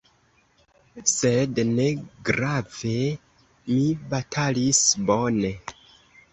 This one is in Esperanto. Sed negrave: mi batalis bone.